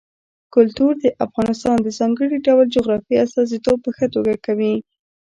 کلتور د افغانستان د ځانګړي ډول جغرافیې استازیتوب په ښه توګه کوي.